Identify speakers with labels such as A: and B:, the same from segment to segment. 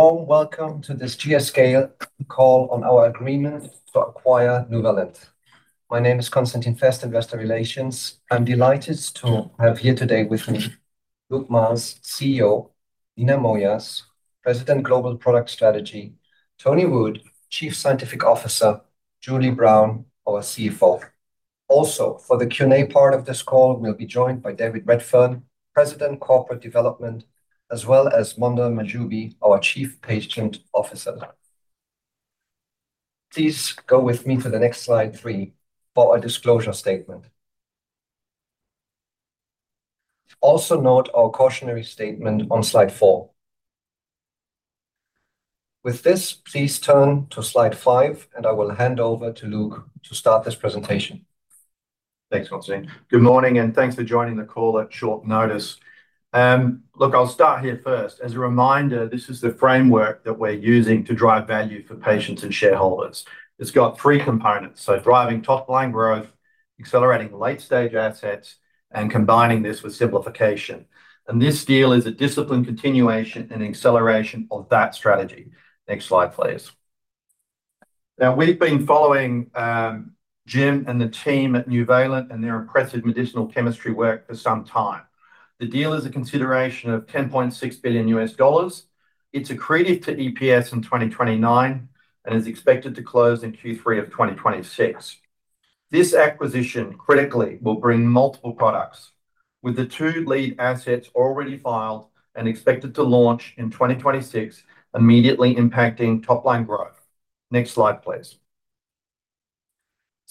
A: A warm welcome to this GSK call on our agreement to acquire Nuvalent. My name is Constantin Fest, Investor Relations. I am delighted to have here today with me Luke Miels, CEO, Nina Mojas, President Global Product Strategy, Tony Wood, Chief Scientific Officer, Julie Brown, our CFO. Also, for the Q&A part of this call, we will be joined by David Redfern, President Corporate Development, as well as Mondher Mahjoubi, our Chief Patient Officer. Please go with me to the next slide three for our disclosure statement. Also note our cautionary statement on slide four. With this, please turn to slide five, and I will hand over to Luke to start this presentation.
B: Thanks, Constantin. Good morning, and thanks for joining the call at short notice. Look, I will start here first. As a reminder, this is the framework that we are using to drive value for patients and shareholders. It has got three components: driving top-line growth, accelerating late-stage assets, and combining this with simplification. This deal is a disciplined continuation and acceleration of that strategy. Next slide, please. Now, we have been following Jim and the team at Nuvalent and their impressive medicinal chemistry work for some time. The deal is a consideration of $10.6 billion. It is accretive to EPS in 2029 and is expected to close in Q3 of 2026, immediately impacting top-line growth. Next slide, please.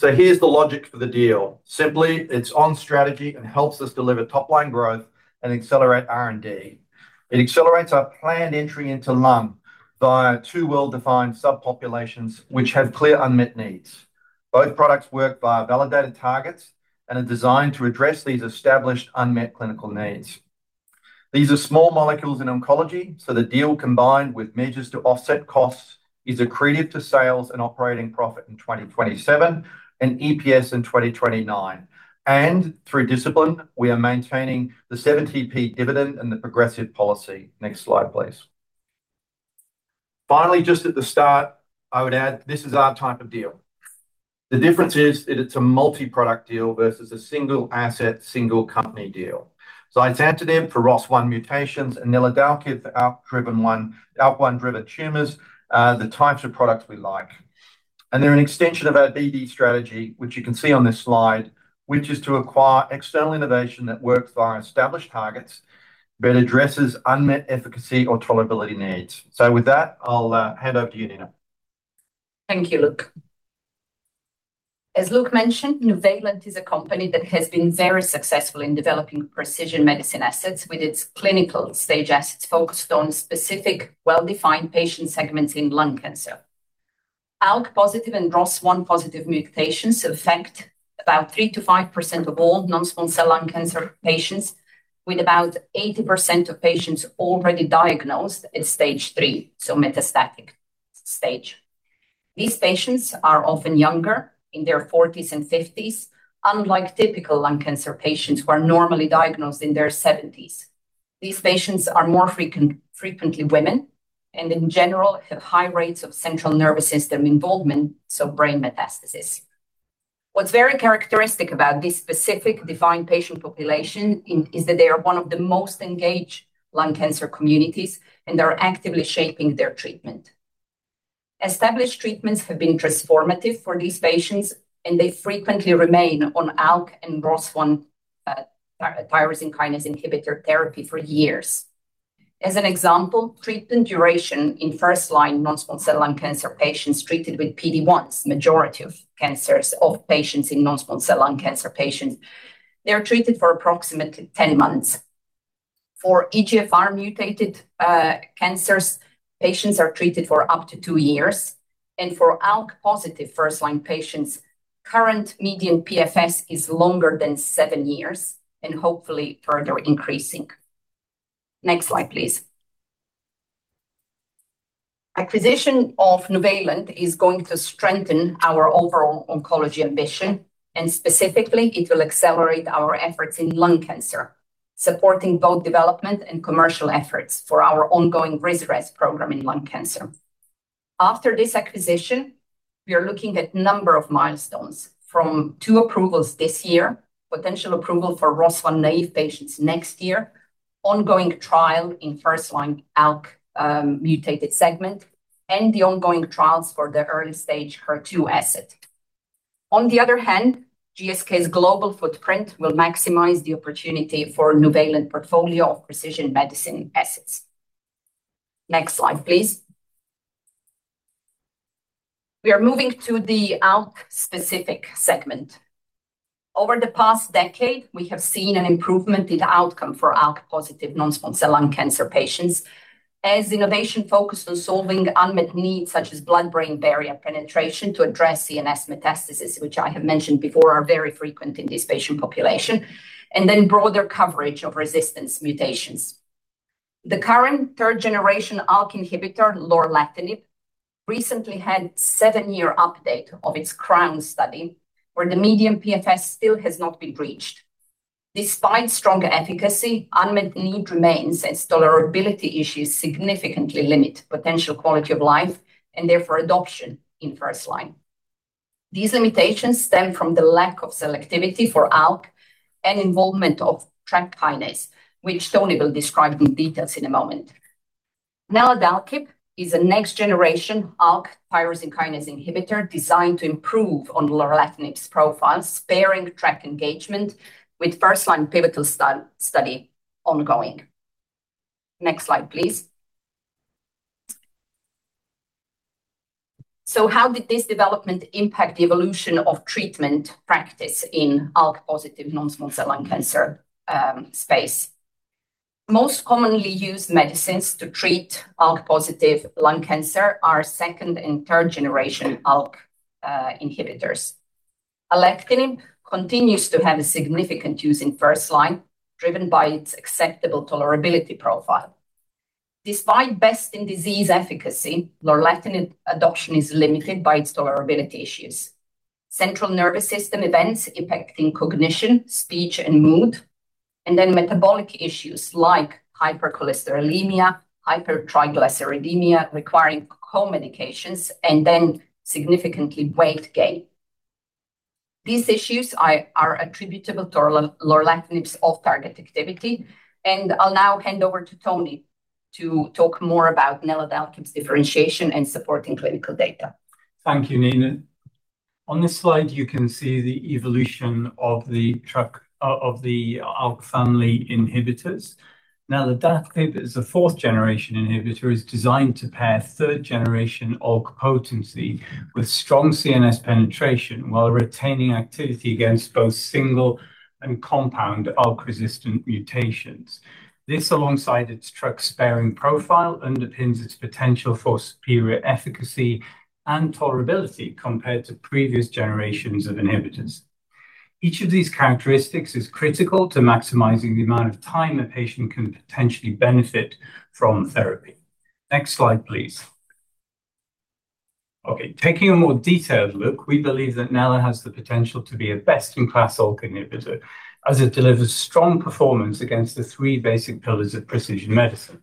B: Here is the logic for the deal. Simply, it is on strategy and helps us deliver top-line growth and accelerate R&D. It accelerates our planned entry into lung via two well-defined subpopulations which have clear unmet needs. Both products work via validated targets and are designed to address these established unmet clinical needs. These are small molecules in oncology, the deal combined with measures to offset costs is accretive to sales and operating profit in 2027 and EPS in 2029. Through discipline, we are maintaining the 0.70 dividend and the progressive policy. Next slide, please. Finally, just at the start, I would add this is our type of deal. The difference is that it is a multi-product deal versus a single asset, single company deal. It is taletrectinib for ROS1 mutations and neladalkib for ALK 1 driven tumors, are the types of products we like. They are an extension of our BD strategy, which you can see on this slide, which is to acquire external innovation that works via established targets, but addresses unmet efficacy or tolerability needs. With that, I will hand over to you, Nina.
C: Thank you, Luke. As Luke mentioned, Nuvalent is a company that has been very successful in developing precision medicine assets with its clinical-stage assets focused on specific, well-defined patient segments in lung cancer. ALK-positive and ROS1-positive mutations affect about 3%-5% of all non-small cell lung cancer patients with about 80% of patients already diagnosed at stage three, so metastatic stage. These patients are often younger, in their 40s and 50s, unlike typical lung cancer patients who are normally diagnosed in their 70s. These patients are more frequently women and in general have high rates of central nervous system involvement, so brain metastasis. What's very characteristic about this specific defined patient population is that they are one of the most engaged lung cancer communities, they are actively shaping their treatment. Established treatments have been transformative for these patients, they frequently remain on ALK and ROS1 tyrosine kinase inhibitor therapy for years. As an example, treatment duration in first-line non-small cell lung cancer patients treated with PD-1s, majority of cancers of patients in non-small cell lung cancer patients, they are treated for approximately 10 months. For EGFR mutated cancers, patients are treated for up to two years. For ALK positive first-line patients, current median PFS is longer than seven years and hopefully further increasing. Next slide, please. Acquisition of Nuvalent is going to strengthen our overall oncology ambition, specifically it will accelerate our efforts in lung cancer, supporting both development and commercial efforts for our ongoing risk-based program in lung cancer. After this acquisition, we are looking at number of milestones from two approvals this year, potential approval for ROS1 naive patients next year, ongoing trial in first-line ALK mutated segment, the ongoing trials for the early stage HER2 asset. On the other hand, GSK's global footprint will maximize the opportunity for Nuvalent portfolio of precision medicine assets. Next slide, please. We are moving to the ALK specific segment. Over the past decade, we have seen an improvement in outcome for ALK positive non-small cell lung cancer patients as innovation focused on solving unmet needs such as blood-brain barrier penetration to address CNS metastasis, which I have mentioned before are very frequent in this patient population, broader coverage of resistance mutations. The current third generation ALK inhibitor, lorlatinib, recently had seven-year update of its CROWN study where the median PFS still has not been reached. Despite strong efficacy, unmet need remains as tolerability issues significantly limit potential quality of life and therefore adoption in first-line. These limitations stem from the lack of selectivity for ALK and involvement of TRK kinase, which Tony will describe in details in a moment. neladalkib is a next-generation ALK tyrosine kinase inhibitor designed to improve on lorlatinib's profile, sparing TRK engagement with first-line pivotal study ongoing. Next slide, please. How did this development impact the evolution of treatment practice in ALK-positive non-small cell lung cancer space? Most commonly used medicines to treat ALK-positive lung cancer are second and third generation ALK inhibitors. alectinib continues to have a significant use in first-line, driven by its acceptable tolerability profile. Despite best-in-disease efficacy, lorlatinib adoption is limited by its tolerability issues, central nervous system events impacting cognition, speech, and mood, metabolic issues like hypercholesterolemia, hypertriglyceridemia requiring co-medications, and significantly weight gain. These issues are attributable to lorlatinib's off-target activity. I'll now hand over to Tony to talk more about neladalkib's differentiation and supporting clinical data.
D: Thank you, Nina. On this slide, you can see the evolution of the ALK family inhibitors. Neladalkib is a fourth-generation inhibitor, is designed to pair third-generation ALK potency with strong CNS penetration while retaining activity against both single and compound ALK resistant mutations. This, alongside its TRK-sparing profile, underpins its potential for superior efficacy and tolerability compared to previous generations of inhibitors. Each of these characteristics is critical to maximizing the amount of time a patient can potentially benefit from therapy. Next slide, please. Okay, taking a more detailed look, we believe that nela has the potential to be a best-in-class ALK inhibitor as it delivers strong performance against the three basic pillars of precision medicine.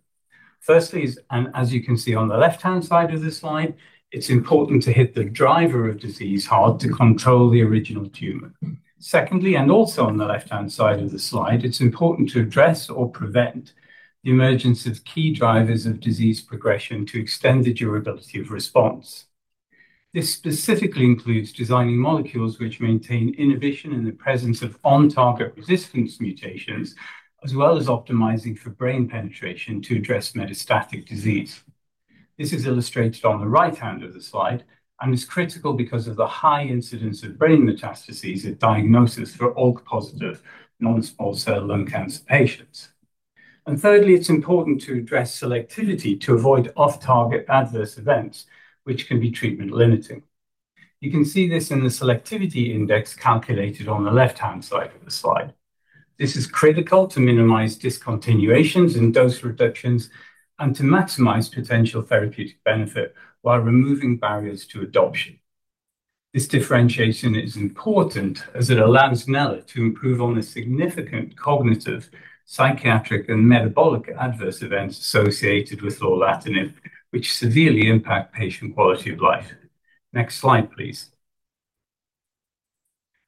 D: Firstly is, as you can see on the left-hand side of the slide, it's important to hit the driver of disease hard to control the original tumor. Secondly, also on the left-hand side of the slide, it's important to address or prevent the emergence of key drivers of disease progression to extend the durability of response. This specifically includes designing molecules which maintain inhibition in the presence of on-target resistance mutations, as well as optimizing for brain penetration to address metastatic disease. This is illustrated on the right hand of the slide and is critical because of the high incidence of brain metastases at diagnosis for ALK-positive non-small cell lung cancer patients. Thirdly, it's important to address selectivity to avoid off-target adverse events, which can be treatment limiting. You can see this in the selectivity index calculated on the left-hand side of the slide. This is critical to minimize discontinuations and dose reductions and to maximize potential therapeutic benefit while removing barriers to adoption. This differentiation is important as it allows nela to improve on the significant cognitive, psychiatric, and metabolic adverse events associated with lorlatinib, which severely impact patient quality of life. Next slide, please.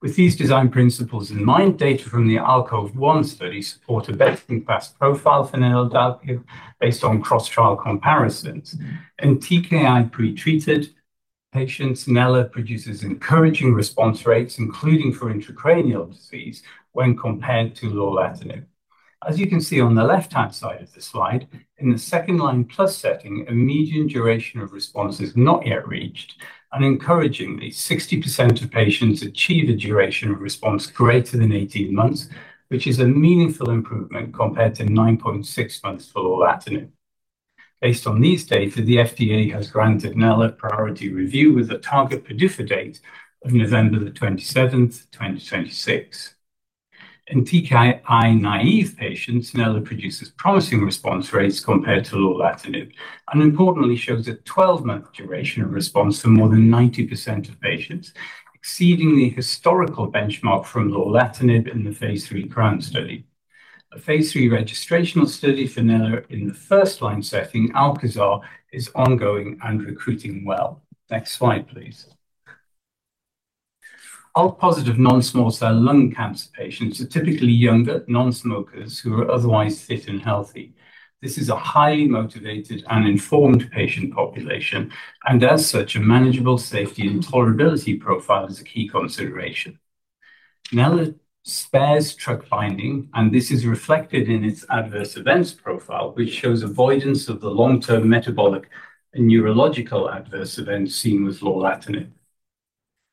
D: With these design principles in mind, data from the ALKOVE-1 study support a best-in-class profile for neladalkib based on cross-trial comparisons. In TKI-pretreated patients, nela produces encouraging response rates, including for intracranial disease when compared to lorlatinib. As you can see on the left-hand side of the slide, in the second-line plus setting, a median duration of response is not yet reached, and encouragingly, 60% of patients achieve a duration of response greater than 18 months, which is a meaningful improvement compared to 9.6 months for lorlatinib. Based on these data, the FDA has granted nela priority review with a target PDUFA date of November 27th, 2026. In TKI-naive patients, nela produces promising response rates compared to lorlatinib, and importantly shows a 12-month duration of response for more than 90% of patients, exceeding the historical benchmark from lorlatinib in the phase III CROWN study. A phase III registrational study for nela in the first-line setting, ALCAZAR, is ongoing and recruiting well. Next slide, please. ALK-positive non-small cell lung cancer patients are typically younger non-smokers who are otherwise fit and healthy. This is a highly motivated and informed patient population, as such, a manageable safety and tolerability profile is a key consideration. Nela spares TRK binding, and this is reflected in its adverse events profile, which shows avoidance of the long-term metabolic and neurological adverse events seen with lorlatinib.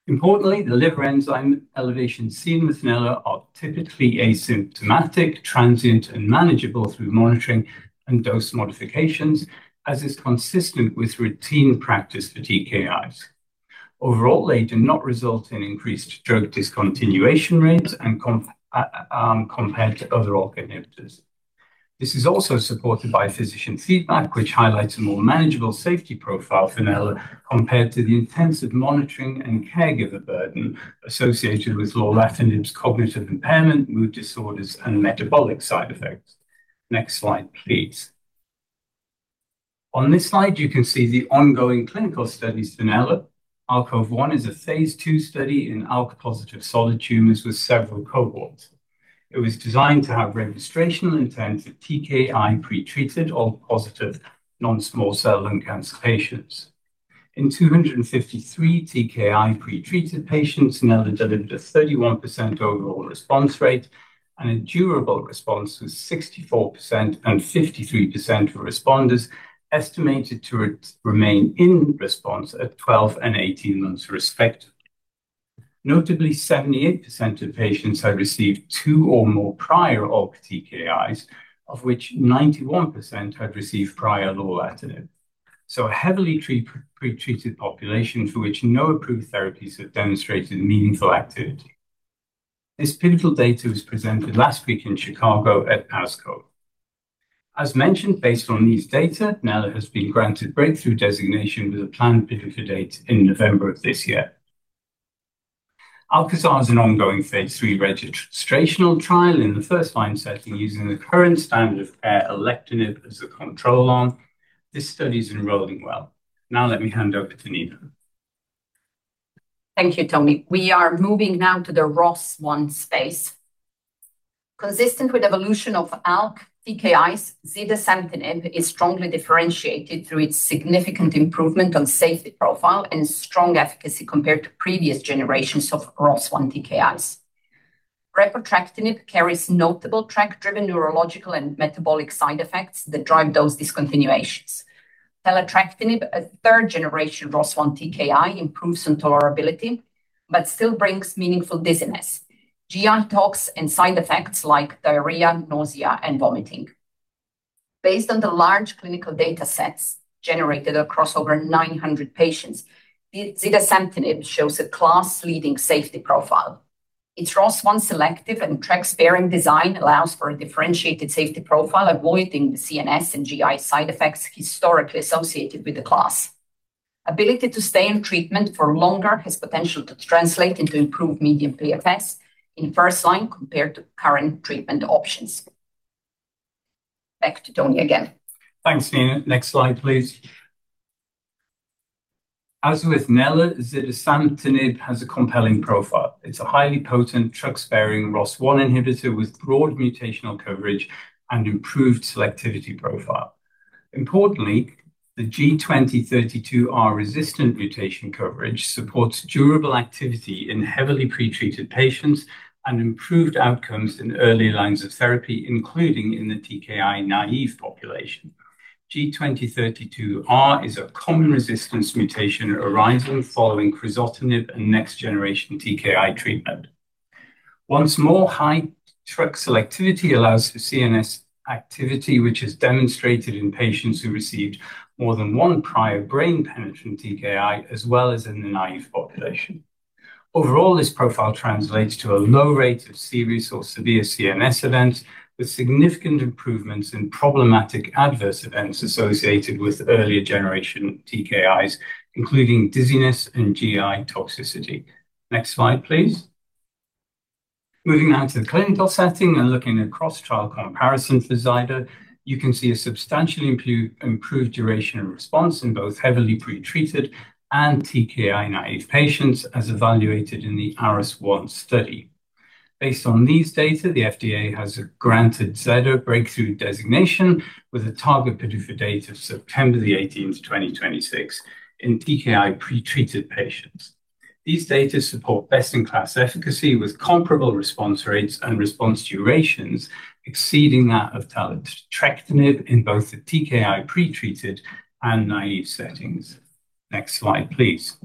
D: Importantly, the liver enzyme elevations seen with nela are typically asymptomatic, transient, and manageable through monitoring and dose modifications, as is consistent with routine practice for TKIs. Overall, they do not result in increased drug discontinuation rates compared to other ALK inhibitors. This is also supported by physician feedback, which highlights a more manageable safety profile for nela compared to the intensive monitoring and caregiver burden associated with lorlatinib's cognitive impairment, mood disorders, and metabolic side effects. Next slide, please. On this slide, you can see the ongoing clinical studies for nela. ALKOVE-1 is a phase II study in ALK-positive solid tumors with several cohorts. It was designed to have registrational intent for TKI-pretreated ALK-positive non-small cell lung cancer patients. In 253 TKI-pretreated patients, nela delivered a 31% overall response rate and a durable response was 64% and 53% of responders estimated to remain in response at 12 and 18 months, respectively. Notably, 78% of patients had received two or more prior ALK TKIs, of which 91% had received prior lorlatinib. A heavily pretreated population for which no approved therapies have demonstrated meaningful activity. This pivotal data was presented last week in Chicago at ASCO. As mentioned, based on these data, nela has been granted Breakthrough Therapy designation with a planned PDUFA date in November of this year. ALCAZAR is an ongoing phase III registrational trial in the first-line setting using the current standard of care, alectinib, as a control arm. This study is enrolling well. Let me hand over to Nina.
C: Thank you, Tony. We are moving now to the ROS1 space. Consistent with evolution of ALK TKIs, zidesamtinib is strongly differentiated through its significant improvement on safety profile and strong efficacy compared to previous generations of ROS1 TKIs. Repotrectinib carries notable TRK-driven neurological and metabolic side effects that drive those discontinuations. Taletrectinib, a third-generation ROS1 TKI, improves on tolerability, but still brings meaningful dizziness, GI tox, and side effects like diarrhea, nausea, and vomiting. Based on the large clinical data sets generated across over 900 patients, zidesamtinib shows a class-leading safety profile. Its ROS1 selective and TRK-sparing design allows for a differentiated safety profile, avoiding the CNS and GI side effects historically associated with the class. Ability to stay on treatment for longer has potential to translate into improved median PFS in first-line, compared to current treatment options. Back to Tony again.
D: Thanks, Nina. Next slide, please. As with nela, zidesamtinib has a compelling profile. It's a highly potent TRK-sparing ROS1 inhibitor with broad mutational coverage and improved selectivity profile. Importantly, the G2032R-resistant mutation coverage supports durable activity in heavily pretreated patients and improved outcomes in early lines of therapy, including in the TKI-naïve population. G2032R is a common resistance mutation arising following crizotinib and next-generation TKI treatment. Once more, high TRK selectivity allows for CNS activity, which is demonstrated in patients who received more than one prior brain-penetrant TKI, as well as in the naïve population. Overall, this profile translates to a low rate of serious or severe CNS events, with significant improvements in problematic adverse events associated with earlier-generation TKIs, including dizziness and GI toxicity. Next slide, please. Moving now to the clinical setting and looking across trial comparisons for Zide, you can see a substantially improved duration and response in both heavily pretreated and TKI-naïve patients, as evaluated in the ARRIS 1 study. Based on these data, the FDA has granted Zide a Breakthrough Therapy designation with a target PDUFA date of September 18th, 2026, in TKI-pretreated patients. These data support best-in-class efficacy with comparable response rates and response durations exceeding that of taletrectinib in both the TKI-pretreated and naïve settings. Next slide, please.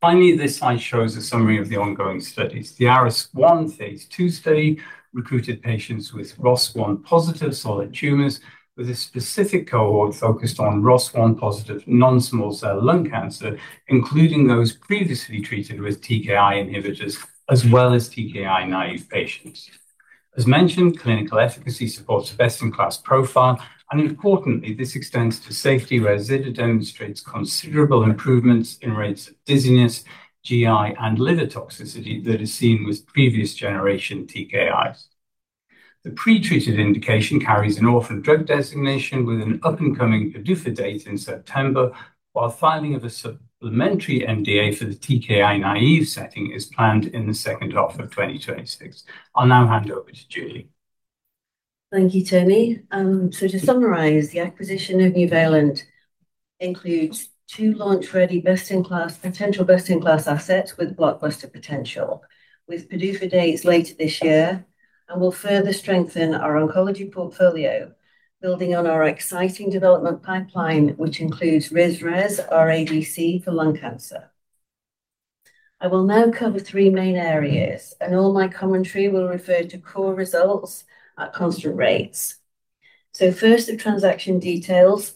D: Finally, this slide shows a summary of the ongoing studies. The ARRIS 1 phase II study recruited patients with ROS1-positive solid tumors, with a specific cohort focused on ROS1-positive non-small cell lung cancer, including those previously treated with TKI inhibitors, as well as TKI-naïve patients. As mentioned, clinical efficacy supports a best-in-class profile, and importantly, this extends to safety, where Zide demonstrates considerable improvements in rates of dizziness, GI and liver toxicity that is seen with previous-generation TKIs. The pretreated indication carries an Orphan Drug Designation with an up-and-coming PDUFA date in September, while filing of a supplementary NDA for the TKI-naïve setting is planned in the second half of 2026. I'll now hand over to Julie.
E: Thank you, Tony. To summarize, the acquisition of Nuvalent includes two launch-ready, potential best-in-class assets with blockbuster potential, with PDUFA dates later this year, and will further strengthen our oncology portfolio, building on our exciting development pipeline, which includes risvutatug rezetecan, our ADC for lung cancer. I will now cover three main areas, and all my commentary will refer to core results at constant rates. First, the transaction details.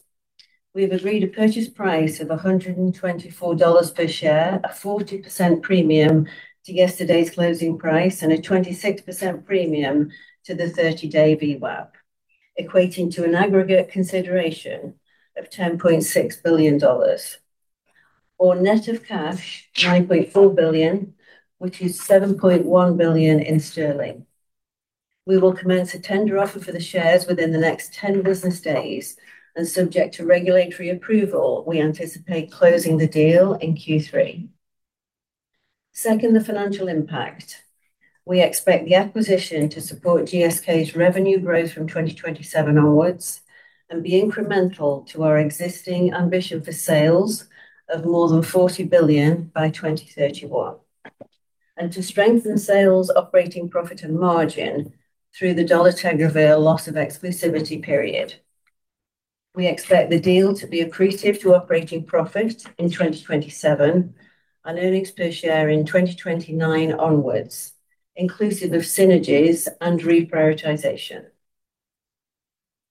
E: We have agreed a purchase price of $124 per share, a 40% premium to yesterday's closing price and a 26% premium to the 30-day VWAP, equating to an aggregate consideration of $10.6 billion, or net of cash, $9.4 billion, which is 7.1 billion sterling. We will commence a tender offer for the shares within the next 10 business days, and subject to regulatory approval, we anticipate closing the deal in Q3. Second, the financial impact. We expect the acquisition to support GSK's revenue growth from 2027 onwards, and be incremental to our existing ambition for sales of more than $40 billion by 2031, and to strengthen sales, operating profit and margin through the dolutegravir loss of exclusivity period. We expect the deal to be accretive to operating profit in 2027 and earnings per share in 2029 onwards, inclusive of synergies and reprioritization.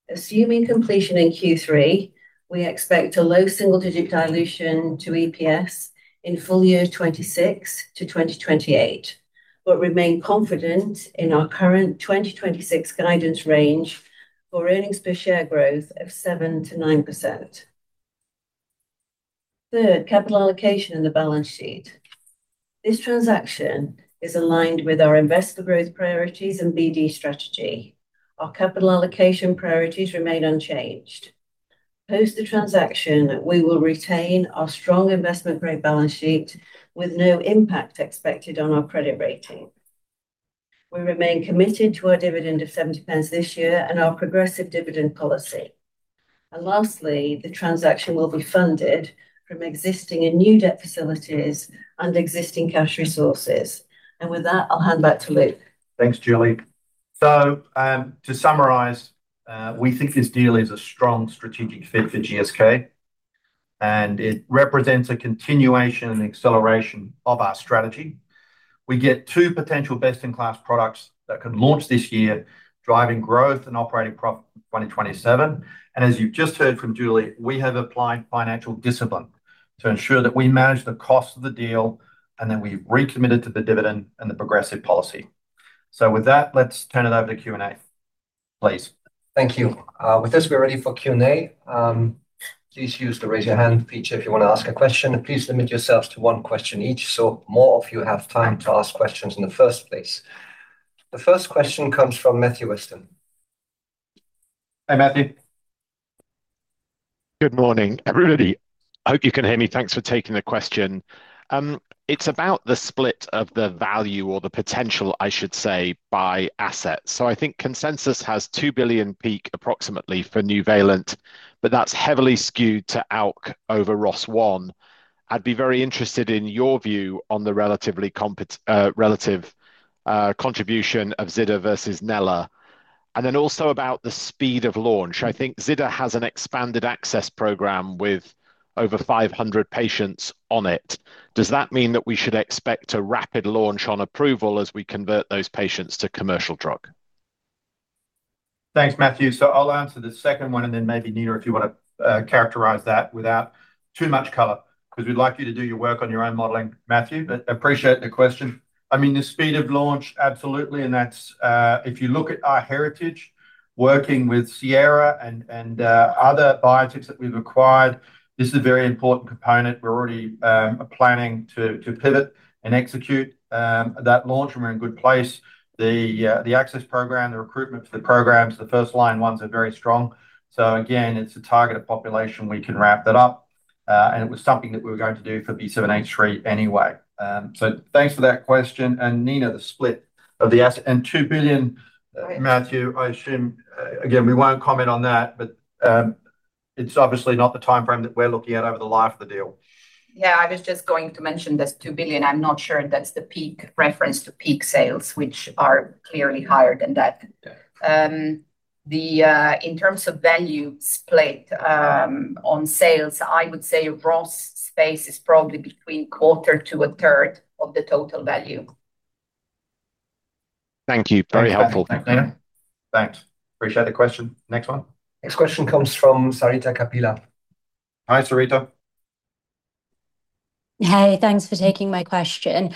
E: Assuming completion in Q3, we expect a low single-digit dilution to EPS in full year 2026 to 2028, but remain confident in our current 2026 guidance range for earnings per share growth of 7%-9%. Third, capital allocation and the balance sheet. This transaction is aligned with our investor growth priorities and BD strategy. Our capital allocation priorities remain unchanged. Post the transaction, we will retain our strong investment-grade balance sheet with no impact expected on our credit rating. We remain committed to our dividend of 0.70 this year and our progressive dividend policy. Lastly, the transaction will be funded from existing and new debt facilities and existing cash resources. With that, I'll hand back to Luke.
B: Thanks, Julie. To summarize, we think this deal is a strong strategic fit for GSK, and it represents a continuation and acceleration of our strategy. We get two potential best-in-class products that can launch this year, driving growth and operating profit in 2027. As you've just heard from Julie, we have applied financial discipline to ensure that we manage the cost of the deal, and that we've recommitted to the dividend and the progressive policy. With that, let's turn it over to Q&A. Please.
A: Thank you. With this, we're ready for Q&A. Please use the Raise Your Hand feature if you want to ask a question. Please limit yourselves to one question each so more of you have time to ask questions in the first place. The first question comes from Matthew Weston.
B: Hi, Matthew.
F: Good morning, everybody. Hope you can hear me. Thanks for taking the question. It's about the split of the value or the potential, I should say, by asset. I think consensus has 2 billion peak approximately for Nuvalent, but that's heavily skewed to ALK over ROS1. I'd be very interested in your view on the relative contribution of zidesamtinib versus neladalkib, and then also about the speed of launch. I think zidesamtinib has an expanded access program with over 500 patients on it. Does that mean that we should expect a rapid launch on approval as we convert those patients to commercial drug?
B: Thanks, Matthew. I'll answer the second one and then maybe Nina if you want to characterize that without too much color because we'd like you to do your work on your own modeling, Matthew. Appreciate the question. The speed of launch, absolutely, and if you look at our heritage, working with Sierra and other biotechs that we've acquired, this is a very important component. We're already planning to pivot and execute that launch, and we're in a good place. The access program, the recruitment for the programs, the first-line ones are very strong. Again, it's a targeted population. We can ramp that up, and it was something that we were going to do for B7-H3 anyway. Thanks for that question. Nina, the split of the asset and 2 billion, Matthew, I assume again, we won't comment on that, but it's obviously not the timeframe that we're looking at over the life of the deal.
C: Yeah, I was just going to mention this 2 billion. I'm not sure if that's the peak reference to peak sales, which are clearly higher than that. In terms of value split on sales, I would say ROS space is probably between quarter to a third of the total value.
F: Thank you. Very helpful.
B: Thanks, Nina. Thanks. Appreciate the question. Next one.
A: Next question comes from Sarita Kapila.
B: Hi, Sarita.
G: Hey, thanks for taking my question.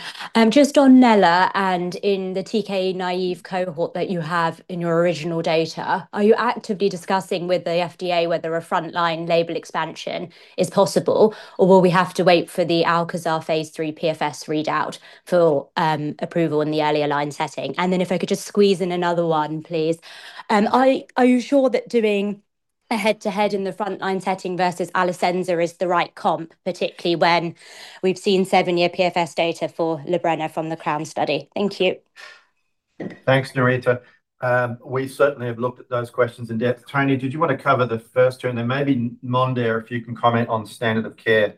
G: Just on nela and in the TK-naive cohort that you have in your original data, are you actively discussing with the FDA whether a frontline label expansion is possible, or will we have to wait for the ALCAZAR phase III PFS readout for approval in the earlier line setting? If I could just squeeze in another one, please. Are you sure that doing a head-to-head in the frontline setting versus Alecensa is the right comp, particularly when we've seen seven-year PFS data for Lorbrena from the CROWN study? Thank you.
B: Thanks, Sarita. We certainly have looked at those questions in depth. Tony, did you want to cover the first two, and then maybe Mondher, if you can comment on standard of care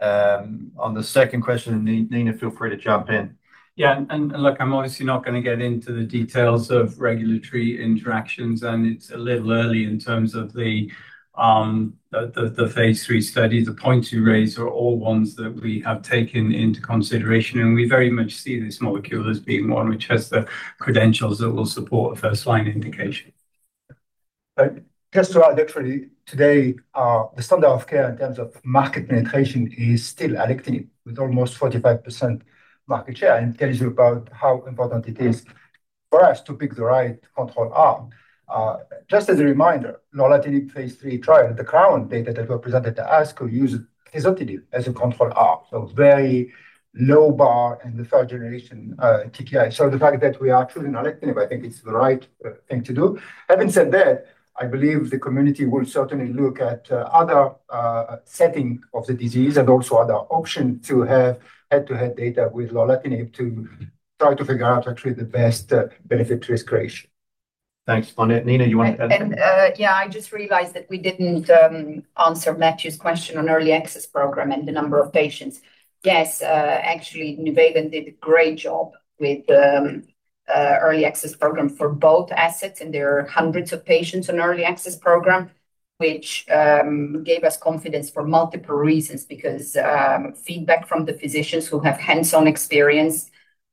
B: on the second question, and Nina, feel free to jump in.
D: Yeah, look, I'm obviously not going to get into the details of regulatory interactions. It's a little early in terms of the phase III study. The points you raise are all ones that we have taken into consideration. We very much see this molecule as being one which has the credentials that will support a first-line indication.
H: Just to add, actually today, the standard of care in terms of market penetration is still alectinib with almost 45% market share. It tells you about how important it is for us to pick the right control arm. Just as a reminder, lorlatinib phase III trial, the CROWN data that were presented to us, could use crizotinib as a control arm. Very low bar in the third-generation TKI. The fact that we are choosing alectinib, I think it's the right thing to do. Having said that, I believe the community will certainly look at other setting of the disease and also other option to have head-to-head data with lorlatinib to try to figure out actually the best benefit-risk ratio.
B: Thanks. On it, Nina, you want to add?
C: Yeah, I just realized that we didn't answer Matthew's question on early access program and the number of patients. Yes. Actually, Nuvalent did a great job with early access program for both assets. There are hundreds of patients on early access program, which gave us confidence for multiple reasons because feedback from the physicians who have hands-on experience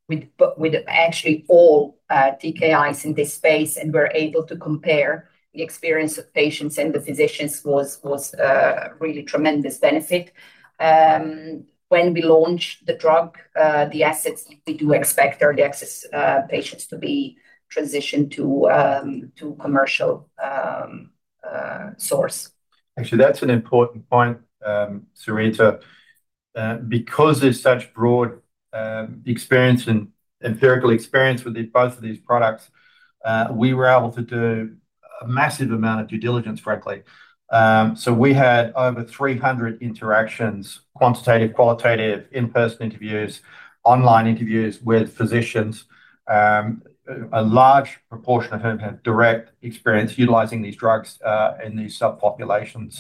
C: with actually all TKIs in this space and were able to compare the experience of patients and the physicians was really tremendous benefit. When we launch the drug, the assets, we do expect early access patients to be transitioned to commercial source.
B: That's an important point, Sarita. Because there's such broad experience and empirical experience with both of these products, we were able to do a massive amount of due diligence, frankly. We had over 300 interactions, quantitative, qualitative, in-person interviews, online interviews with physicians. A large proportion of whom had direct experience utilizing these drugs in these subpopulations.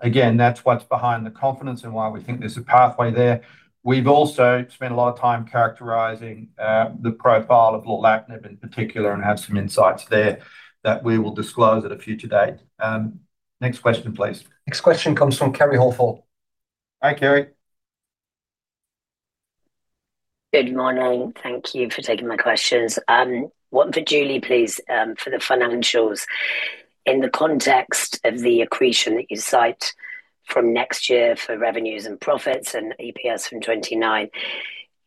B: Again, that's what's behind the confidence and why we think there's a pathway there. We've also spent a lot of time characterizing the profile of lorlatinib in particular and have some insights there that we will disclose at a future date. Next question please.
A: Next question comes from Kerry Holford.
B: Hi, Kerry.
I: Good morning. Thank you for taking my questions. One for Julie, please, for the financials. In the context of the accretion that you cite from next year for revenues and profits and EPS from 29,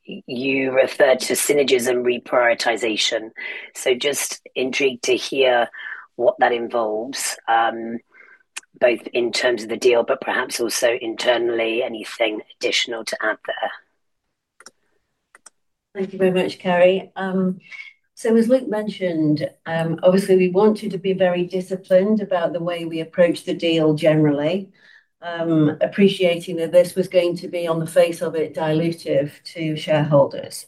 I: you referred to synergies and reprioritization. Just intrigued to hear what that involves, both in terms of the deal but perhaps also internally. Anything additional to add there?
E: Thank you very much, Kerry. As Luke mentioned, obviously we wanted to be very disciplined about the way we approach the deal generally, appreciating that this was going to be, on the face of it, dilutive to shareholders.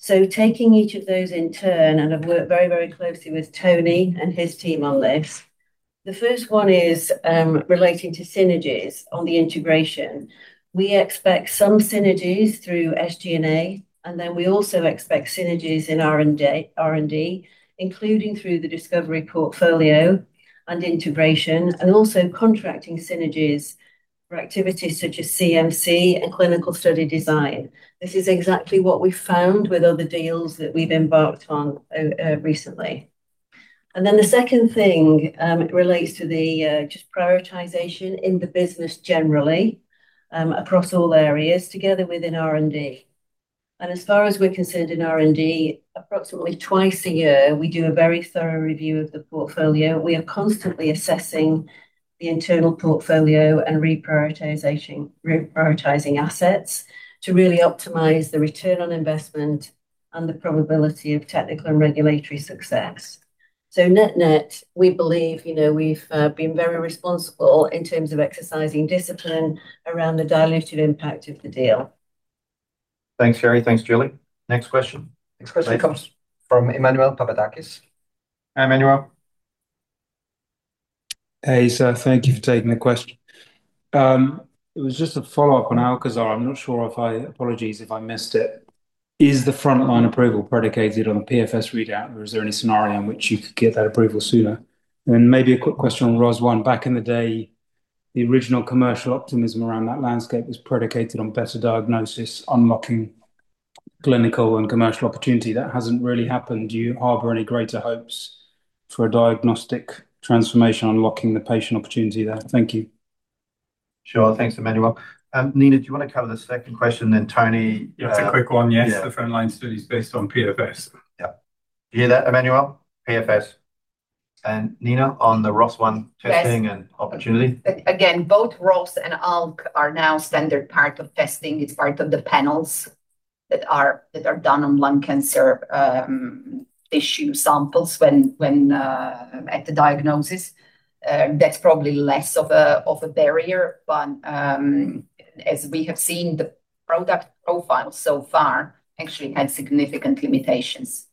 E: Taking each of those in turn, I've worked very closely with Tony and his team on this. The first one is relating to synergies on the integration. We expect some synergies through SG&A, then we also expect synergies in R&D, including through the discovery portfolio and integration and also contracting synergies for activities such as CMC and clinical study design. This is exactly what we found with other deals that we've embarked on recently. The second thing relates to the just prioritization in the business generally, across all areas, together within R&D. As far as we're concerned in R&D, approximately twice a year, we do a very thorough review of the portfolio. We are constantly assessing the internal portfolio and reprioritizing assets to really optimize the return on investment and the probability of technical and regulatory success. Net-net, we believe we've been very responsible in terms of exercising discipline around the dilutive impact of the deal.
B: Thanks, Kerry. Thanks, Julie. Next question.
A: Next question comes from Emmanuel Papadakis.
B: Hi, Emmanuel.
J: Hey, sir, thank you for taking the question. It was just a follow-up on ALKAZAR. I'm not sure if apologies if I missed it. Is the frontline approval predicated on the PFS readout, or is there any scenario in which you could get that approval sooner? Maybe a quick question on ROS1. Back in the day, the original commercial optimism around that landscape was predicated on better diagnosis, unlocking clinical and commercial opportunity. That hasn't really happened. Do you harbor any greater hopes for a diagnostic transformation, unlocking the patient opportunity there? Thank you.
B: Sure. Thanks, Emmanuel. Nina, do you want to cover the second question, then Tony-
D: It's a quick one. Yes. The frontline study is based on PFS.
B: You hear that, Emmanuel? PFS. Nina on the ROS1 testing and opportunity.
C: Again, both ROS and ALK are now standard part of testing. It's part of the panels that are done on lung cancer tissue samples at the diagnosis. That's probably less of a barrier, as we have seen, the product profile so far actually had significant limitations.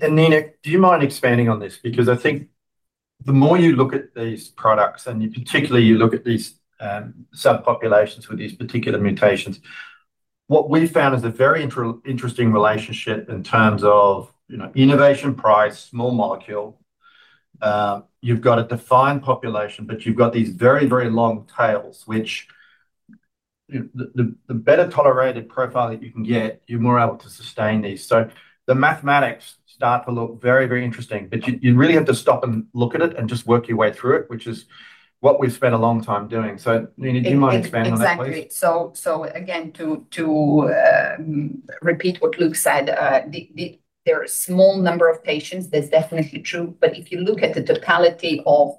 B: Nina, do you mind expanding on this? I think the more you look at these products, and particularly you look at these subpopulations with these particular mutations, what we've found is a very interesting relationship in terms of innovation price, small molecule. You've got a defined population, but you've got these very long tails, which. The better tolerated profile that you can get, you're more able to sustain these. The mathematics start to look very, very interesting. You really have to stop and look at it and just work your way through it, which is what we've spent a long time doing. Nina, do you mind expanding on that, please?
C: Exactly. Again, to repeat what Luke said, there are a small number of patients, that's definitely true. If you look at the totality of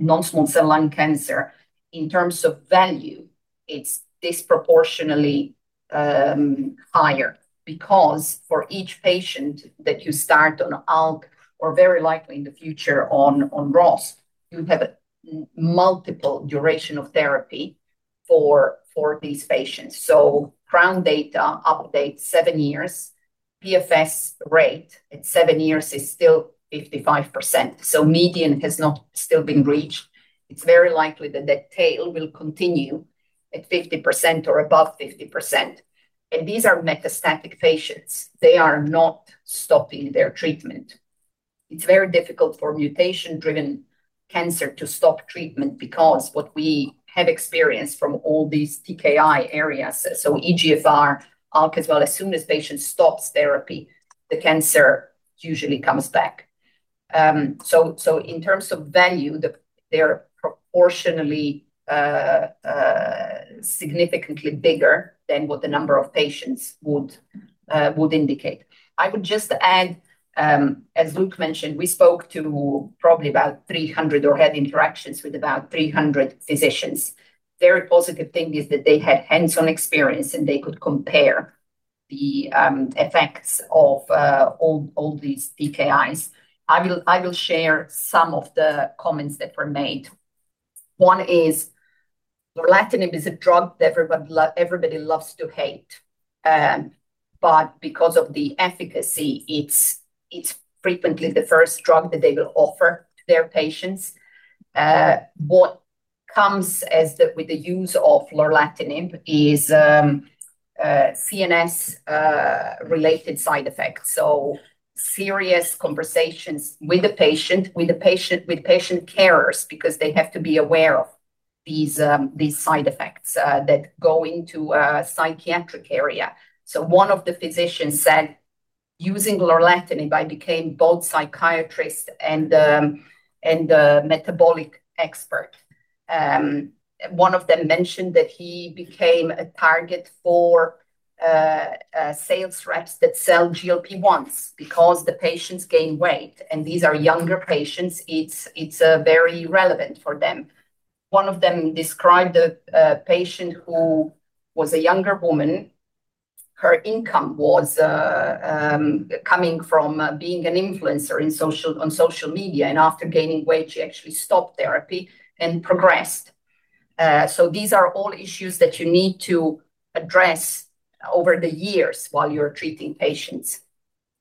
C: non-small cell lung cancer, in terms of value, it's disproportionately higher because for each patient that you start on ALK or very likely in the future on ROS1, you have multiple duration of therapy for these patients. CROWN data update seven years, PFS rate at seven years is still 55%, so median has not still been reached. It's very likely that that tail will continue at 50% or above 50%. These are metastatic patients. They are not stopping their treatment. It's very difficult for mutation-driven cancer to stop treatment because what we have experienced from all these TKI areas, EGFR, ALK as well, as soon as patient stops therapy, the cancer usually comes back. In terms of value, they are proportionally significantly bigger than what the number of patients would indicate. I would just add, as Luke mentioned, we spoke to probably about 300, or had interactions with about 300 physicians. Very positive thing is that they had hands-on experience, and they could compare the effects of all these TKIs. I will share some of the comments that were made. One is lorlatinib is a drug that everybody loves to hate. Because of the efficacy, it's frequently the first drug that they will offer to their patients. What comes as with the use of lorlatinib is CNS-related side effects, serious conversations with the patient, with patient carers, because they have to be aware of these side effects that go into a psychiatric area. One of the physicians said, "Using lorlatinib, I became both psychiatrist and metabolic expert." One of them mentioned that he became a target for sales reps that sell GLP-1s because the patients gain weight, and these are younger patients, it's very relevant for them. One of them described a patient who was a younger woman. Her income was coming from being an influencer on social media, and after gaining weight, she actually stopped therapy and progressed. These are all issues that you need to address over the years while you're treating patients.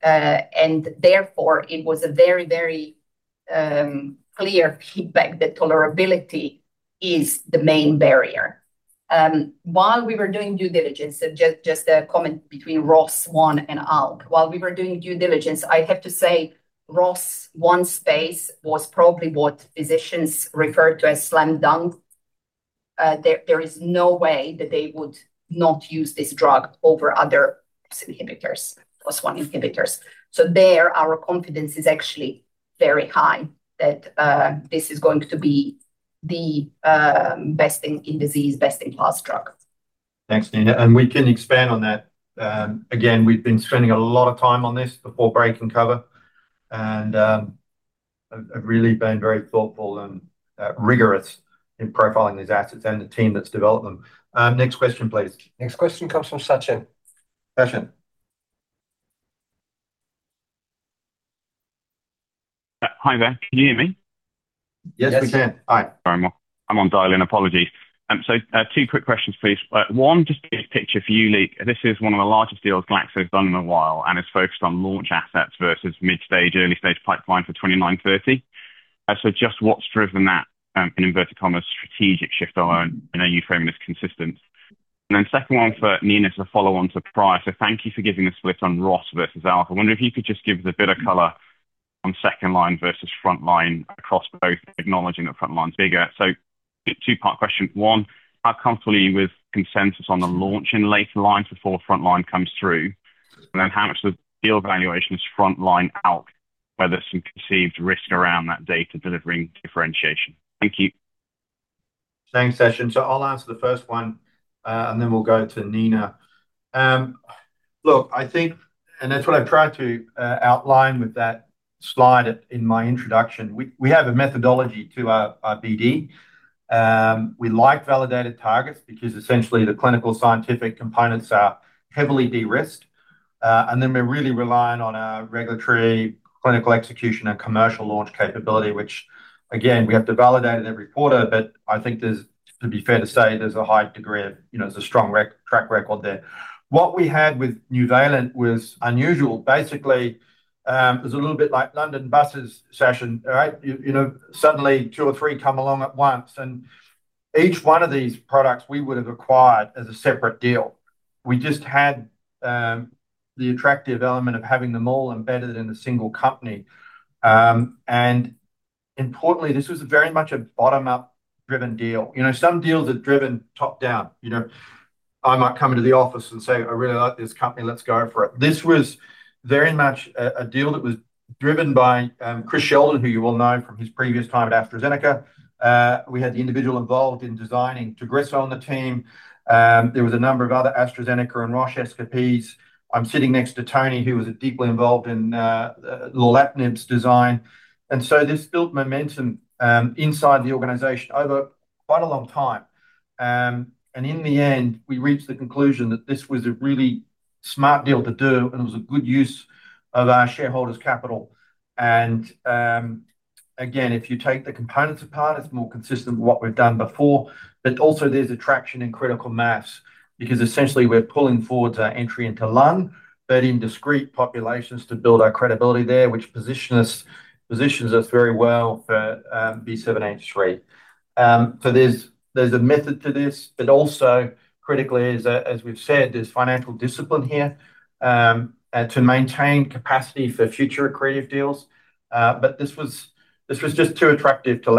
C: Therefore, it was a very clear feedback that tolerability is the main barrier. While we were doing due diligence, just a comment between ROS1 and ALK. While we were doing due diligence, I have to say ROS1 space was probably what physicians refer to as slam dunk. There is no way that they would not use this drug over other inhibitors, ROS1 inhibitors. There, our confidence is actually very high that this is going to be the best in disease, best-in-class drug.
B: Thanks, Nina. We can expand on that. Again, we've been spending a lot of time on this before breaking cover and have really been very thoughtful and rigorous in profiling these assets and the team that's developed them. Next question, please.
A: Next question comes from Sachin.
B: Sachin?
K: Hi there. Can you hear me?
B: Yes, we can.
K: All right. I'm on dial-in. Apologies. Two quick questions, please. One, just to get a picture for you, Luke. This is one of the largest deals Glaxo's done in a while and is focused on launch assets versus mid-stage, early-stage pipeline for 2930. Just what's driven that, in inverted commas, "strategic shift?" I know you frame it as consistent. Second one for Nina is a follow-on to prior. Thank you for giving the split on ROS versus ALK. I wonder if you could just give the bit of color on second line versus front line across both, acknowledging that front line's bigger. Two-part question. One, how comfortable are you with consensus on the launch in later lines before front line comes through? How much of the deal valuation is front line ALK, whether some conceived risk around that data delivering differentiation? Thank you.
B: Thanks, Sachin. I'll answer the first one. Then we'll go to Nina. I think, that's what I've tried to outline with that slide in my introduction, we have a methodology to our BD. We like validated targets because essentially the clinical scientific components are heavily de-risked. We're really reliant on our regulatory, clinical execution and commercial launch capability, which again, we have to validate at every quarter, but I think it'd be fair to say there's a high degree of, there's a strong track record there. What we had with Nuvalent was unusual. Basically, it was a little bit like London buses, Sachin. All right? Suddenly two or three come along at once. Each one of these products we would have acquired as a separate deal. We just had the attractive element of having them all embedded in a single company. Importantly, this was very much a bottom-up driven deal. Some deals are driven top-down. I might come into the office and say, "I really like this company. Let's go for it." This was very much a deal that was driven by Chris Sheldon, who you all know from his previous time at AstraZeneca. We had the individual involved in designing TAGRISSO on the team. There was a number of other AstraZeneca and Roche escapees. I'm sitting next to Tony, who was deeply involved in the lapatinib's design. This built momentum inside the organization over quite a long time. In the end, we reached the conclusion that this was a really smart deal to do. It was a good use of our shareholders' capital. Again, if you take the components apart, it's more consistent with what we've done before. Also there's attraction in critical mass because essentially we're pulling forward our entry into lung, but in discrete populations to build our credibility there, which positions us very well for B7-H3. There's a method to this, but also critically, as we've said, there's financial discipline here to maintain capacity for future accretive deals. This was just too attractive to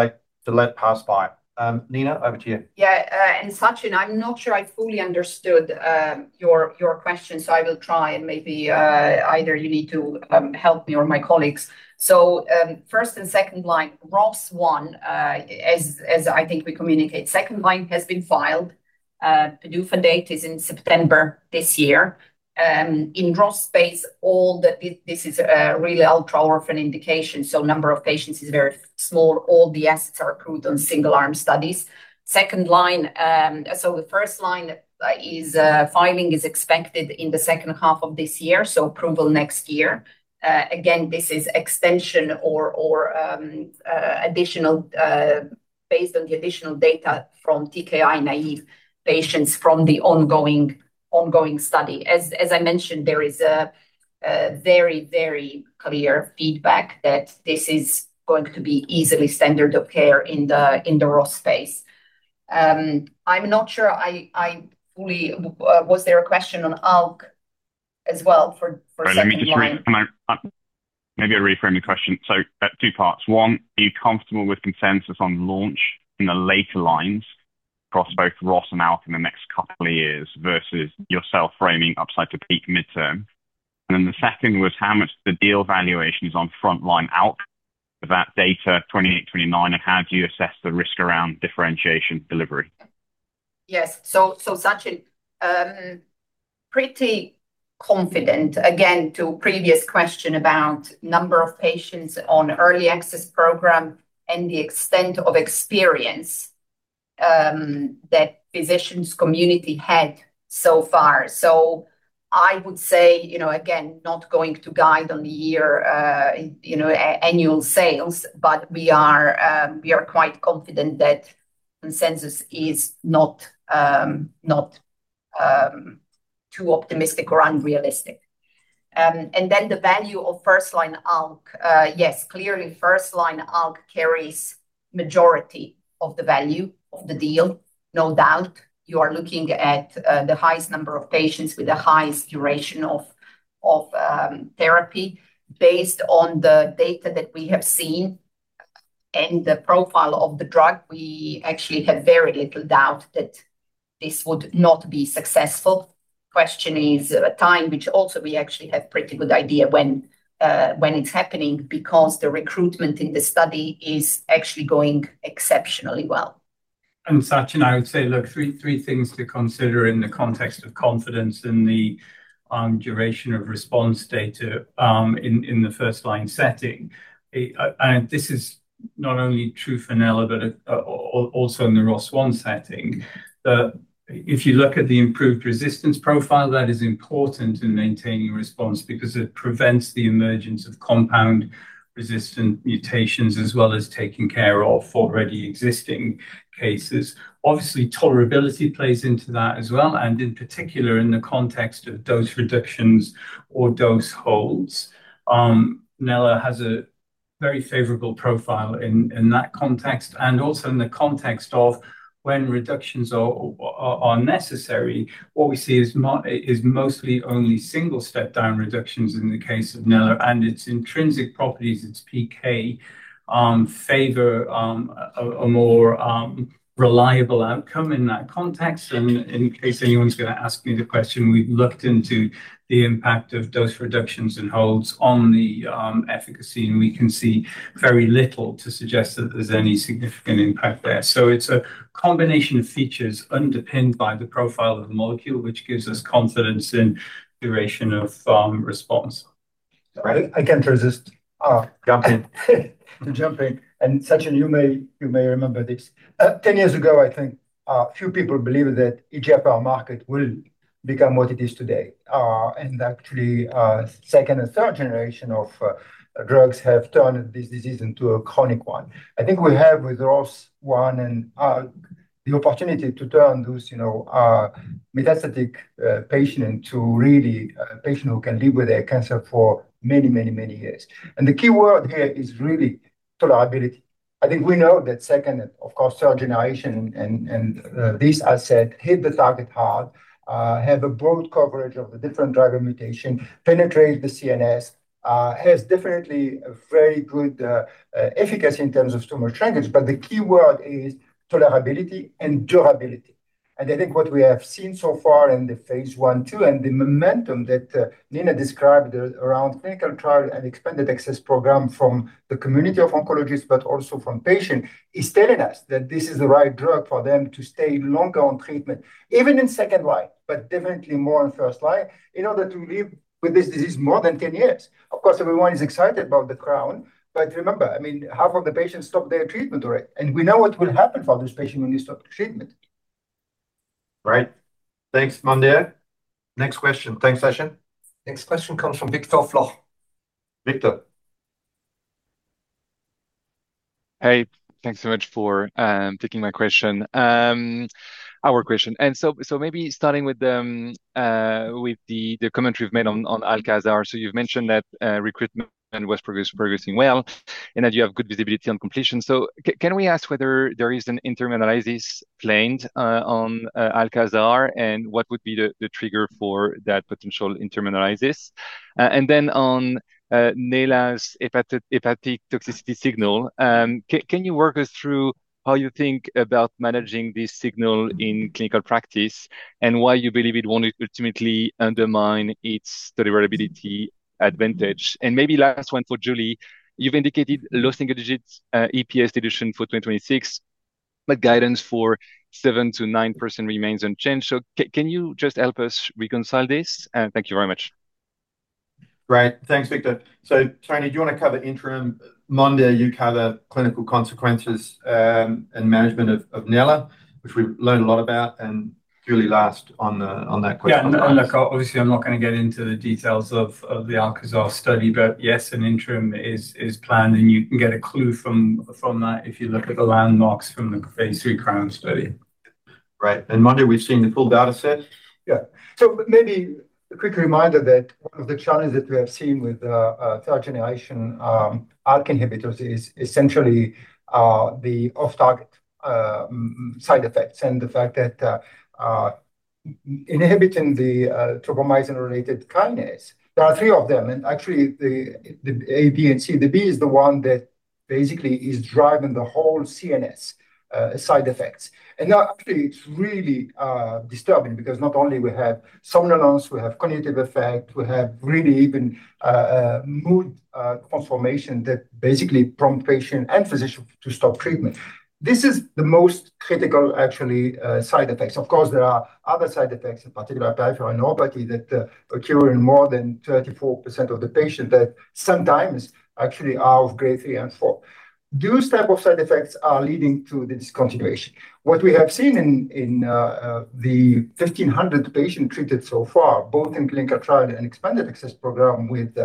B: let pass by. Nina, over to you.
C: Yeah. Sachin, I'm not sure I fully understood your question, I will try and maybe either you need to help me or my colleagues. First and second line, ROS1 as I think we communicate, second line has been filed. PDUFA date is in September this year. In ROS space, this is a really ultra-orphan indication, so number of patients is very small. All the assets are accrued on single arm studies. Second line, the first line is filing is expected in the second half of this year, so approval next year. Again, this is extension or based on the additional data from TKI-naive patients from the ongoing study. As I mentioned, there is a very clear feedback that this is going to be easily standard of care in the ROS space. I'm not sure I Was there a question on ALK as well for second line?
K: Let me just reframe your question. Two parts. One, are you comfortable with consensus on launch in the later lines across both ROS and ALK in the next couple of years versus yourself framing upside to peak midterm? Then the second was how much the deal valuation is on frontline ALK for that data 2028, 2029, and how do you assess the risk around differentiation delivery?
C: Sachin, pretty confident, again, to previous question about number of patients on early access program and the extent of experience that physicians community had so far. I would say, again, not going to guide on the year annual sales, but we are quite confident that consensus is not too optimistic or unrealistic. The value of first-line ALK. Clearly first-line ALK carries majority of the value of the deal, no doubt. You are looking at the highest number of patients with the highest duration of therapy based on the data that we have seen and the profile of the drug. We actually have very little doubt that this would not be successful. Question is time, which also we actually have pretty good idea when it's happening because the recruitment in the study is actually going exceptionally well.
D: Sachin, I would say, look, three things to consider in the context of confidence in the duration of response data in the first-line setting. This is not only true for nela, but also in the ROS1 setting. If you look at the improved resistance profile, that is important in maintaining response because it prevents the emergence of compound resistant mutations as well as taking care of already existing cases. Obviously, tolerability plays into that as well, and in particular, in the context of dose reductions or dose holds. Nela has a very favorable profile in that context and also in the context of when reductions are necessary. What we see is mostly only single step-down reductions in the case of nela and its intrinsic properties, its PK favor a more reliable outcome in that context. In case anyone's going to ask me the question, we've looked into the impact of dose reductions and holds on the efficacy, and we can see very little to suggest that there's any significant impact there. It's a combination of features underpinned by the profile of the molecule, which gives us confidence in duration of response.
H: I can't resist-
D: Jumping
H: Jumping. Sachin, you may remember this. 10 years ago, I think a few people believed that EGFR market will become what it is today. Actually, second and third generation of drugs have turned this disease into a chronic one. I think we have with ROS1 and ALK the opportunity to turn those metastatic patient into really a patient who can live with their cancer for many years. The key word here is really tolerability. I think we know that second and, of course, third generation and this asset hit the target hard, have a broad coverage of the different driver mutation, penetrate the CNS, has definitely a very good efficacy in terms of tumor shrinkage. The key word is tolerability and durability I think what we have seen so far in the phase I, II, and the momentum that Nina described around clinical trial and expanded access program from the community of oncologists, but also from patient, is telling us that this is the right drug for them to stay longer on treatment, even in second line, but definitely more on first line in order to live with this disease more than 10 years. Of course, everyone is excited about the CROWN, remember, half of the patients stop their treatment already, and we know what will happen for this patient when they stop the treatment.
B: Right. Thanks, Mondher. Next question. Thanks, Sachin.
A: Next question comes from Victor Floch.
B: Victor.
L: Hey, thanks so much for taking my question, our question. Maybe starting with the commentary you've made on ALKAZAR. You've mentioned that recruitment was progressing well, and that you have good visibility on completion. Can we ask whether there is an interim analysis planned on ALKAZAR, and what would be the trigger for that potential interim analysis? On neladalkib's hepatic toxicity signal, can you walk us through how you think about managing this signal in clinical practice and why you believe it won't ultimately undermine its deliverability advantage? Maybe last one for Julie. You've indicated low single-digits EPS dilution for 2026, but guidance for 7%-9% remains unchanged. Can you just help us reconcile this? Thank you very much.
B: Great. Thanks, Victor. Tony, do you want to cover interim? Mondher, you cover clinical consequences and management of neladalkib, which we've learned a lot about, and Julie last on that question.
D: Yeah, look, obviously, I'm not going to get into the details of the ALKAZAR study. Yes, an interim is planned, and you can get a clue from that if you look at the landmarks from the phase III CROWN study.
B: Right. Mondher, we've seen the full data set.
H: Maybe a quick reminder that one of the challenges that we have seen with third-generation ALK inhibitors is essentially the off-target side effects and the fact that inhibiting the tropomyosin receptor kinase. There are three of them, actually the A, B, and C. The B is the one that basically is driving the whole CNS side effects. Now actually, it's really disturbing because not only we have somnolence, we have cognitive effect, we have really even mood transformation that basically prompt patient and physician to stop treatment. This is the most critical actually side effects. Of course, there are other side effects, in particular, peripheral neuropathy, that occur in more than 34% of the patient that sometimes actually are of grade three and four. Those type of side effects are leading to the discontinuation. What we have seen in the 1,500 patient treated so far, both in clinical trial and expanded access program with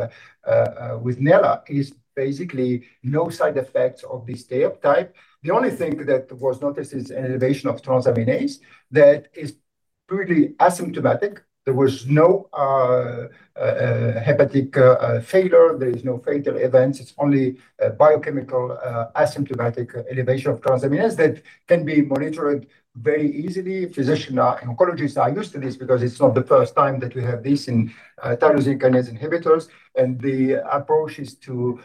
H: nela, is basically no side effects of the stay-up type. The only thing that was noticed is an elevation of transaminase that is purely asymptomatic. There was no hepatic failure. There is no fatal events. It's only biochemical asymptomatic elevation of transaminase that can be monitored very easily. Physician oncologists are used to this because it's not the first time that we have this in tyrosine kinase inhibitors. The approach is to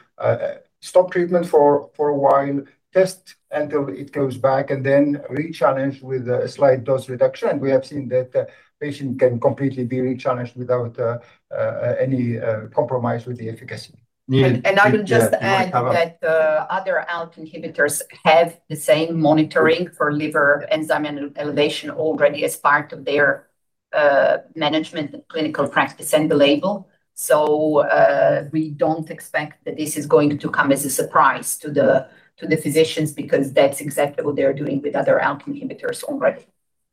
H: stop treatment for a while, test until it goes back, and then rechallenge with a slight dose reduction. We have seen that patient can completely be rechallenged without any compromise with the efficacy.
B: Nina, do you want to cover-
C: I will just add that other ALK inhibitors have the same monitoring for liver enzyme elevation already as part of their management clinical practice and the label. We don't expect that this is going to come as a surprise to the physicians because that's exactly what they are doing with other ALK inhibitors already.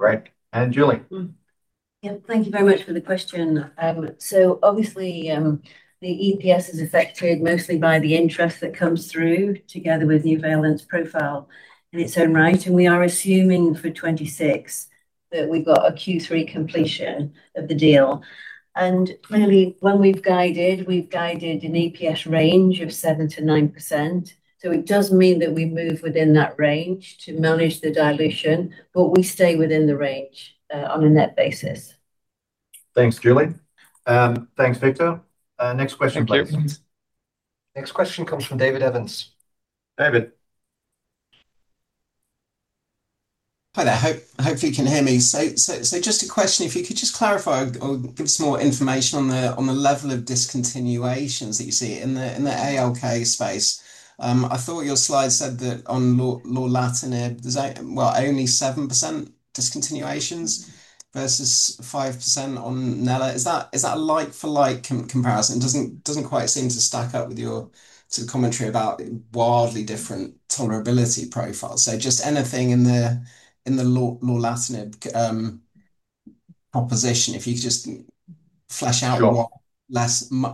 B: Right. Julie.
E: Yeah, thank you very much for the question. Obviously, the EPS is affected mostly by the interest that comes through together with Nuvalent's profile in its own right, and we are assuming for 2026 that we've got a Q3 completion of the deal. Clearly, when we've guided, we've guided an EPS range of 7%-9%. It does mean that we move within that range to manage the dilution, but we stay within the range on a net basis.
B: Thanks, Julie. Thanks, Victor. Next question, please.
A: Thank you. Next question comes from David Evans.
B: David.
M: Hi there, hopefully you can hear me. Just a question, if you could just clarify or give us more information on the level of discontinuations that you see in the ALK space. I thought your slide said that on lorlatinib, well, only 7% discontinuations versus 5% on neladalkib. Is that a like-for-like comparison? It doesn't quite seem to stack up with your sort of commentary about wildly different tolerability profiles. Just anything in the lorlatinib proposition, if you could just flash out- what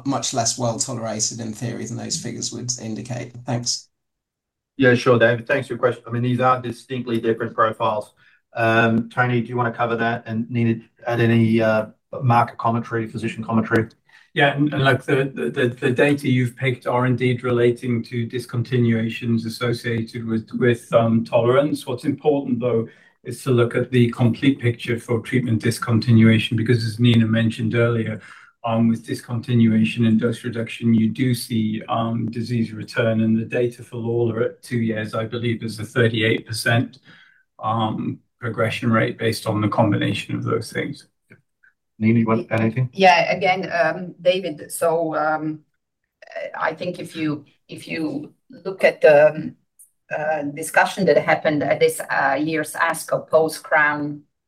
M: much less well-tolerated in theory than those figures would indicate. Thanks.
B: Yeah, sure, David. Thanks for your question. These are distinctly different profiles. Tony, do you want to cover that and, Nina, add any market commentary, physician commentary?
D: Look, the data you've picked are indeed relating to discontinuations associated with tolerance. What's important, though, is to look at the complete picture for treatment discontinuation, because as Nina mentioned earlier, with discontinuation and dose reduction, you do see disease return, and the data for lorla at two years, I believe, is a 38% progression rate based on the combination of those things.
B: Nina, anything?
C: Yeah. Again, David, I think if you look at the discussion that happened at this year's ASCO Post CROWN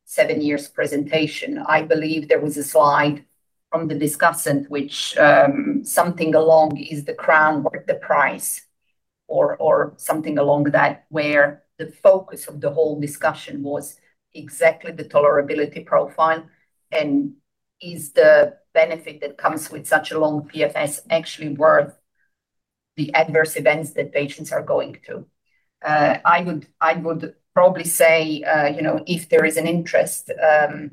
C: seven years presentation, I believe there was a slide from the discussant which something along is the CROWN worth the price or something along that, where the focus of the whole discussion was exactly the tolerability profile and is the benefit that comes with such a long PFS actually worth the adverse events that patients are going to? I would probably say if there is an interest for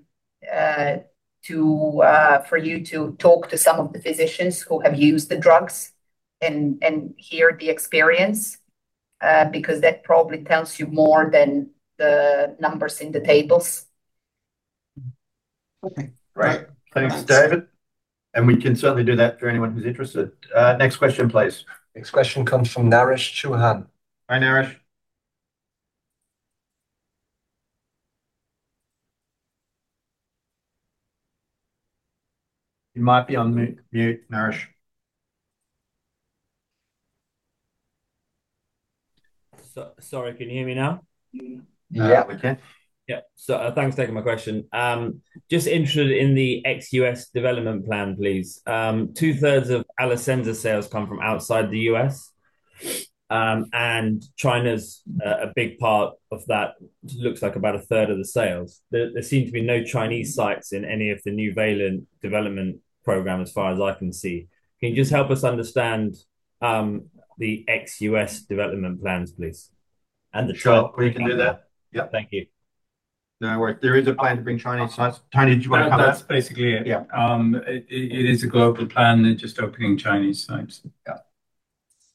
C: you to talk to some of the physicians who have used the drugs and hear the experience, because that probably tells you more than the numbers in the tables.
M: Okay. Great.
B: Thanks, David. We can certainly do that for anyone who's interested. Next question, please.
A: Next question comes from Naresh Chouhan.
B: Hi, Naresh. You might be on mute, Naresh.
N: Sorry, can you hear me now?
B: Yeah, we can.
N: Yeah. Thanks for taking my question. Just interested in the ex-U.S. development plan, please. Two thirds of Alecensa sales come from outside the U.S., and China's a big part of that. Looks like about a third of the sales. There seem to be no Chinese sites in any of the Nuvalent development program, as far as I can see. Can you just help us understand the ex-U.S. development plans, please.
B: Sure, we can do that. Yeah.
N: Thank you.
B: No worries. There is a plan to bring Chinese sites. Tony, do you want to come in?
D: That's basically it. It is a global plan. They're just opening Chinese sites.
B: Yeah.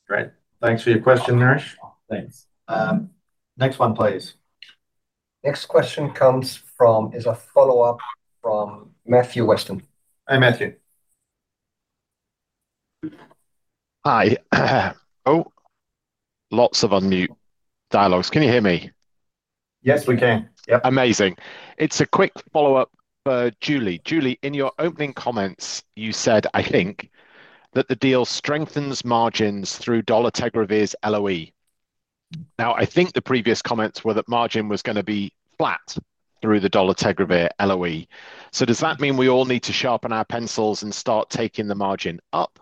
B: Great. Thanks for your question, Naresh.
N: Thanks.
B: Next one please.
A: Next question comes from Matthew Weston.
B: Hi, Matthew.
F: Hi. Oh, lots of unmute dialogues. Can you hear me?
B: Yes, we can. Yep.
F: Amazing. It's a quick follow-up for Julie. Julie, in your opening comments, you said, I think, that the deal strengthens margins through dolutegravir's LOE. I think the previous comments were that margin was going to be flat through the dolutegravir LOE. Does that mean we all need to sharpen our pencils and start taking the margin up,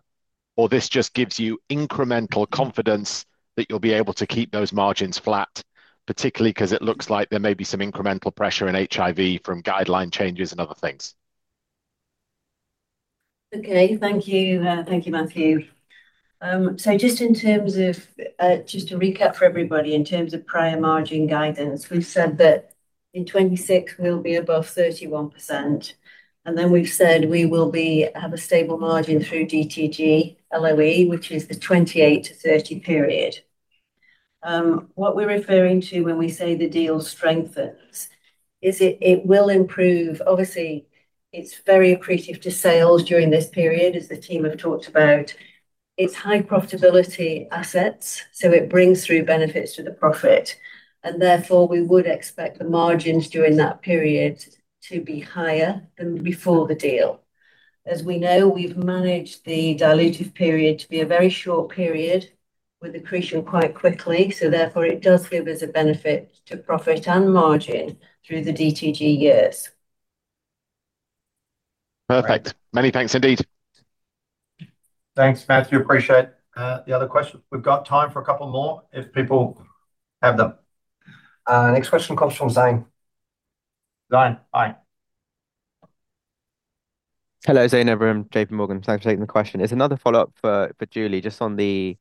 F: or this just gives you incremental confidence that you'll be able to keep those margins flat, particularly because it looks like there may be some incremental pressure in HIV from guideline changes and other things?
E: Okay. Thank you, Matthew. Just to recap for everybody, in terms of prior margin guidance, we've said that in 2026 we'll be above 31%, and then we've said we will have a stable margin through DTG LOE, which is the 2028 to 2030 period. What we're referring to when we say the deal strengthens is it will improve. Obviously, it's very accretive to sales during this period, as the team have talked about. It's high profitability assets. It brings through benefits to the profit, and we would expect the margins during that period to be higher than before the deal. We've managed the dilutive period to be a very short period with accretion quite quickly. It does give us a benefit to profit and margin through the DTG years.
F: Perfect. Many thanks indeed.
B: Thanks, Matthew. Appreciate the other question. We've got time for a couple more if people have them.
A: Next question comes from Zain.
B: Zain. Hi.
O: Hello, Zain Ebrahim, JPMorgan. Thanks for taking the question. It's another follow-up for Julie, just on the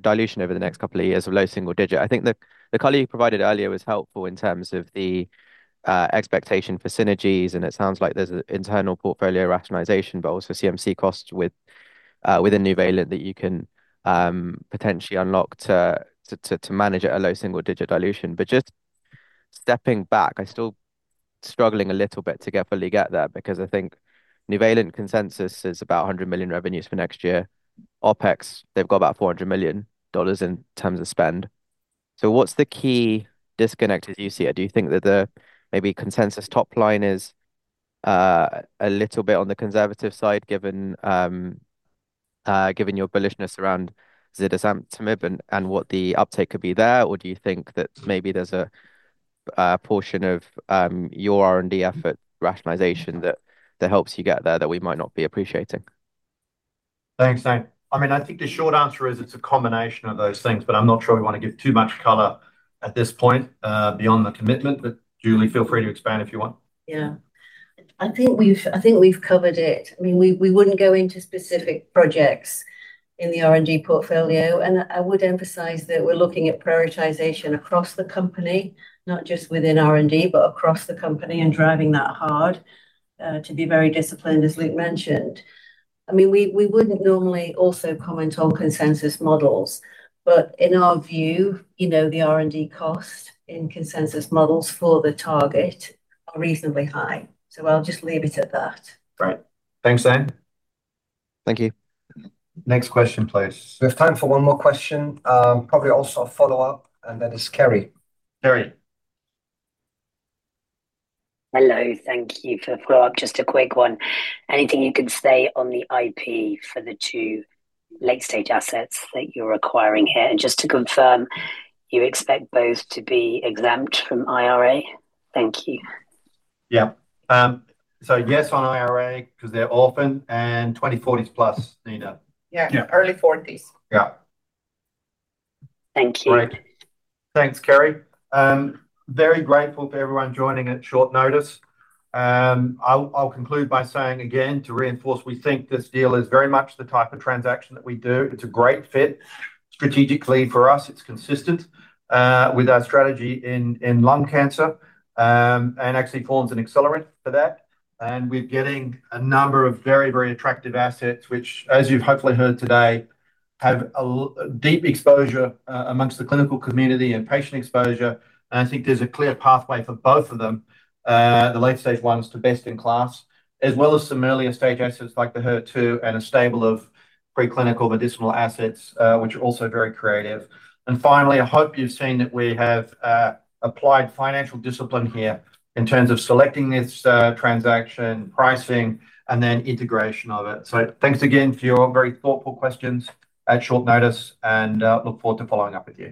O: dilution over the next two years of low single-digit. I think the color you provided earlier was helpful in terms of the expectation for synergies, and it sounds like there's an internal portfolio rationalization, but also CMC costs within Nuvalent that you can potentially unlock to manage at a low single-digit dilution. Just stepping back, I'm still struggling a little bit to fully get there, because I think Nuvalent consensus is about 100 million revenues for next year. OpEx, they've got about GBP 400 million in terms of spend. What's the key disconnect as you see it? Do you think that the maybe consensus top line is a little bit on the conservative side, given your bullishness around zidesamtinib and what the uptake could be there? Do you think that maybe there's a portion of your R&D effort rationalization that helps you get there that we might not be appreciating?
B: Thanks, Zain. I think the short answer is it's a combination of those things, but I'm not sure we want to give too much color at this point beyond the commitment. Julie, feel free to expand if you want.
E: Yeah. I think we've covered it. We wouldn't go into specific projects in the R&D portfolio. I would emphasize that we're looking at prioritization across the company, not just within R&D, but across the company and driving that hard to be very disciplined, as Luke mentioned. We wouldn't normally also comment on consensus models, but in our view the R&D cost in consensus models for the target are reasonably high. I'll just leave it at that.
B: Great. Thanks, Zain.
O: Thank you.
B: Next question, please.
A: There's time for one more question. Probably also a follow-up, that is Kerry.
B: Kerry.
I: Hello. Thank you. For follow-up, just a quick one. Anything you can say on the IP for the two late-stage assets that you're acquiring here? Just to confirm, you expect both to be exempt from IRA? Thank you.
B: Yes on IRA because they're orphan and 2040s plus, Nina?
C: Yeah. Early '40s.
B: Yeah.
I: Thank you.
B: Great. Thanks, Kerry. Very grateful to everyone joining at short notice. I'll conclude by saying again to reinforce, we think this deal is very much the type of transaction that we do. It's a great fit strategically for us. It's consistent with our strategy in lung cancer, and actually forms an accelerant for that. We're getting a number of very, very attractive assets, which, as you've hopefully heard today, have a deep exposure amongst the clinical community and patient exposure. I think there's a clear pathway for both of them, the late-stage ones to best in class, as well as some earlier-stage assets like the HER2 and a stable of preclinical medicinal assets, which are also very creative. Finally, I hope you've seen that we have applied financial discipline here in terms of selecting this transaction pricing and then integration of it. Thanks again for your very thoughtful questions at short notice, and look forward to following up with you